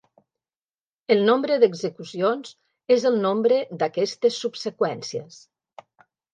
El nombre d'execucions és el nombre d'aquestes subseqüències.